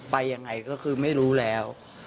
ไปยังไงก็คือไม่รู้แล้ว